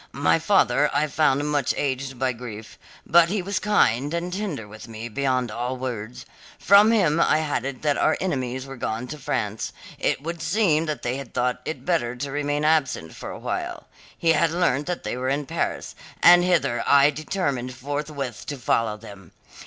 My father I found much aged by grief, but he was kind and tender with me beyond all words. From him I had it that our enemies were gone to France; it would seem they had thought it better to remain absent for a while. He had learnt that they were in Paris, and hither I determined forthwith to follow them.